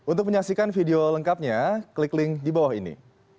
untuk menyaksikan video lengkapnya klik link di bawah ini